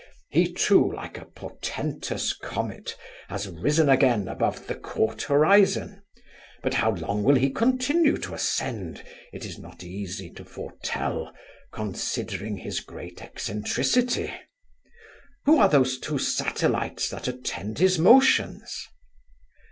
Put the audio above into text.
He too, like a portentous comet, has risen again above the court horizon; but how long he will continue to ascend, it is not easy to foretell, considering his great eccentricity Who are those two satellites that attend his motions?